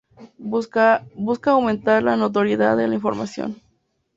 Busca aumentar la notoriedad de la información.